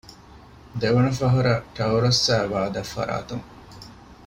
ދެވަނަ ފަހަރަށް ޓައުރަސް އައީ ވައި ދަށް ފަރާތުން